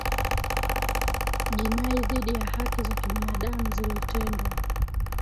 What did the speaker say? jinai dhidi ya haki za kibinadamu zilitendwa